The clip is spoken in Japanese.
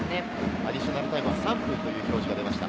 アディショナルタイムは３分という表示が出ました。